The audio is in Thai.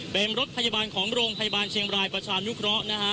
เป็นรถพยาบาลของโรงพยาบาลเชียงบรายประชานุเคราะห์นะฮะ